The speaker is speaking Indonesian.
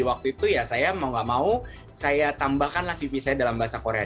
waktu itu ya saya mau gak mau saya tambahkanlah cv saya dalam bahasa korea